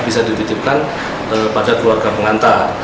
bisa dititipkan pada keluarga pengantar